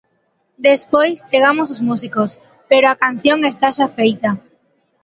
Despois chegamos os músicos, pero a canción está xa feita.